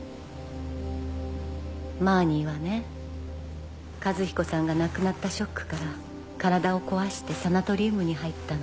マーニーはね和彦さんが亡くなったショックから体をこわしてサナトリウムに入ったの。